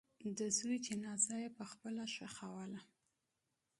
د زوی جنازه یې پخپله ښخوله.